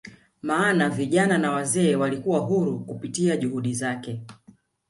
maana vijana na wazee walikuwa huru kupitia juhudi zake